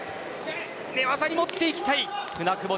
寝技に持っていきたい舟久保。